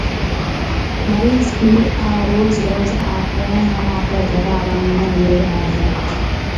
مريض ڀِي روز روز آپنيَ يان آپريَ گهر آݪون نَي ليَ آئي هيَ۔